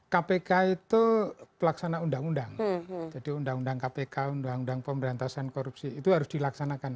kpk itu pelaksana undang undang jadi undang undang kpk undang undang pemberantasan korupsi itu harus dilaksanakan